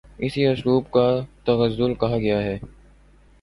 اسی اسلوب کو تغزل کہا گیا ہے